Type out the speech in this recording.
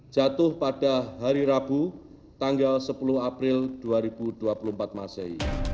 jatuh pada hari rabu tanggal sepuluh april dua ribu dua puluh empat masehi